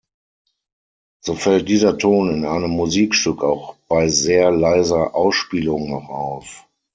So fällt dieser Ton in einem Musikstück auch bei sehr leiser Ausspielung noch auf.